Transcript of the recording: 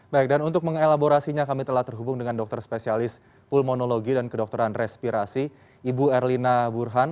baik dan untuk mengelaborasinya kami telah terhubung dengan dokter spesialis pulmonologi dan kedokteran respirasi ibu erlina burhan